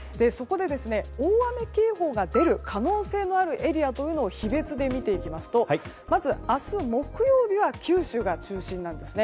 大雨警報が出る可能性のあるエリアを日別でみていきますとまず明日、木曜日は九州が中心なんですね。